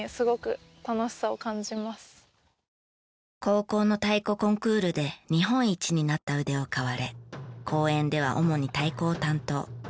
高校の太鼓コンクールで日本一になった腕を買われ公演では主に太鼓を担当。